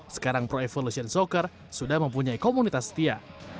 sekarang pro evolution soccer sudah mempunyai komunitas setia